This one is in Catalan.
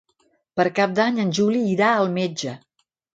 Per Cap d'Any en Juli irà al metge.